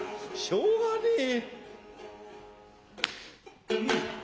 しょうがねえ。